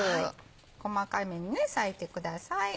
細かめに裂いてください。